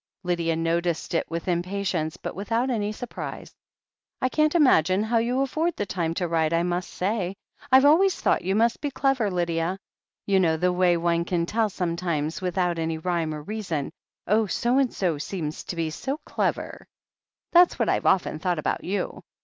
Lydia noticed it with impatience, but without any surprise. "I can't imagine how you afford the time to write, I must say. I've always thought you must be clever, Lydia. You know, the way one can tell sometimes, without any rhjrme or reason— oh, so and so seems to be clever. That's what I've often thought about you.